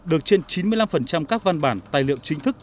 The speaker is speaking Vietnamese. được trên chín mươi năm các văn bản tài liệu chính thức